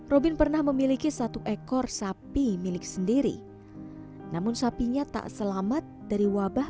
robin pernah memiliki satu ekor sapi milik sendiri namun sapinya tak selamat dari wabah